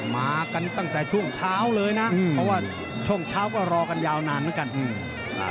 มากันตั้งแต่ช่วงเช้าเลยนะเพราะว่าช่วงเช้าก็รอกันยาวนานเหมือนกันอืม